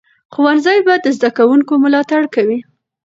ښوونځی به د زده کوونکو ملاتړ کوي.